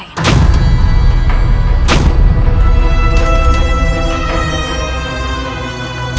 ketika berdua sudah telah berpisah